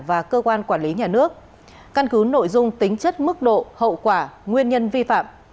và cơ quan quản lý nhà nước căn cứ nội dung tính chất mức độ hậu quả nguyên nhân vi phạm